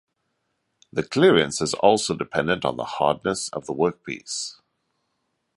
The clearance is also dependent on the hardness of the workpiece.